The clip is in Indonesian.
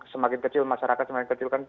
semakin kecil masyarakat semakin kecil kan